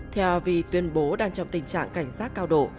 theo vì tuyên bố đang trong tình trạng cảnh giác cao độ